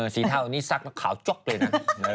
เทานี้ซักแล้วขาวจ๊กเลยนะ